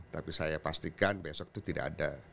tapi saya pastikan besok itu tidak ada